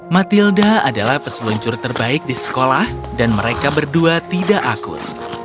matilda adalah peseluncur terbaik di sekolah dan mereka berdua tidak akut